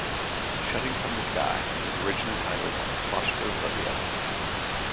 "Shutting from the Sky" was originally titled "Claustro Phobia".